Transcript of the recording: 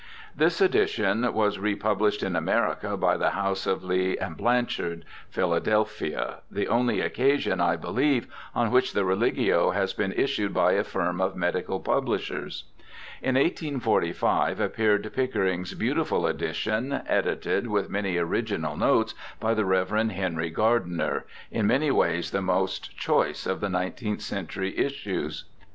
This edition was republished in America by the house of Lea & Blanchard \ Phila delphia, the only occasion, I believe, on which the Religio has been issued by a firm of medical publishers. In 1845 appeared Pickering's beautiful edition, edited, with many original notes, by the Rev. Henry Gardiner, in many ways the most choice of nineteenth century' issues.